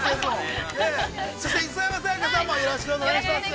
そして、磯山さやかさんもよろしくお願いします。